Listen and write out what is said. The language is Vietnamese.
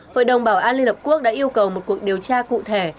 hội đồng bảo an liên hợp quốc đã yêu cầu một cuộc điều tra cụ thể